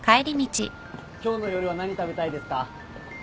今日の夜は何食べたいですか？